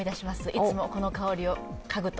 いつも、この香りをかぐと。